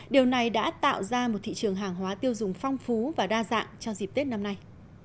điều này đã tạo ra một thị trường hàng hóa tiêu dùng phong phú và đa dạng cho dịp tết năm nay